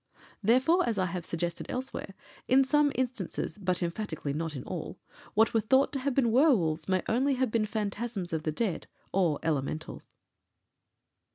Therefore, as I have suggested elsewhere, in some instances, but emphatically not in all, what were thought to have been werwolves may only have been phantasms of the dead, or Elementals.